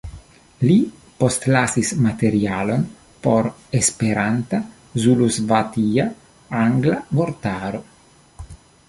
Li postlasis materialojn por Esperanta-zuluasvatia-angla vortaro.